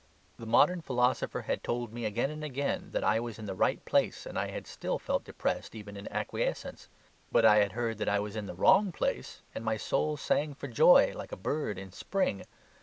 The modern philosopher had told me again and again that I was in the right place, and I had still felt depressed even in acquiescence. But I had heard that I was in the WRONG place, and my soul sang for joy, like a bird in spring.